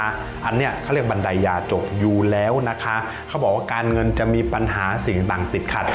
อันนี้เขาเรียกบันไดยาจบอยู่แล้วนะคะเขาบอกว่าการเงินจะมีปัญหาสิ่งต่างติดขัด